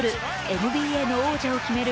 ＮＢＡの王者を決める